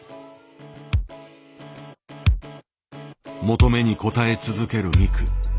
求めに応え続けるミク。